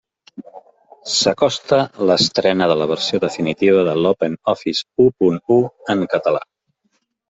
S'acosta l'estrena de la versió definitiva de l'OpenOffice u punt u en català.